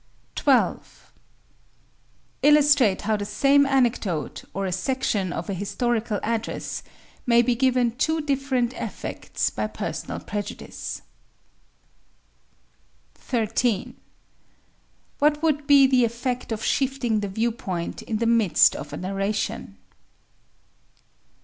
12. Illustrate how the same anecdote, or a section of a historical address, may be given two different effects by personal prejudice. 13. What would be the effect of shifting the viewpoint in the midst of a narration?